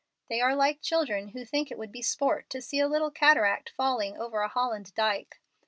They are like children who think it would be sport to see a little cataract falling over a Holland dike.